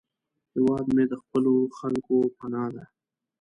هیواد مې د خپلو خلکو پناه ده